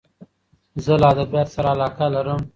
زه له ادبیاتو سره علاقه لرم.